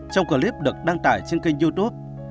trong clip được đăng tải trên kênh youtube